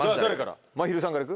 まひるさんから行く？